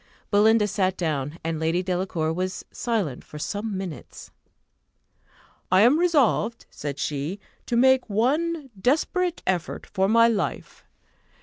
Belinda sat down, and Lady Delacour was silent for some minutes. "I am resolved," said she, "to make one desperate effort for my life.